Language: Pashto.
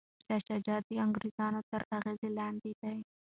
شاه شجاع د انګریزانو تر اغیز لاندې دی.